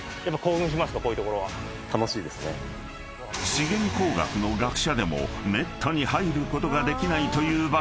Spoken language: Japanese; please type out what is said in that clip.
［資源工学の学者でもめったに入ることができないという場所］